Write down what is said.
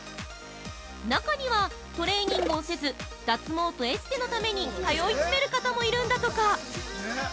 中には、トレーニングをせず脱毛とエステのために通い詰める方もいるんだとか。